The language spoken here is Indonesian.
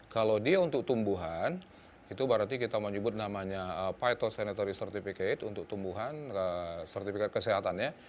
kalau dia untuk tumbuhan itu berarti kita menyebut namanya pito sanitary certificate untuk tumbuhan sertifikat kesehatannya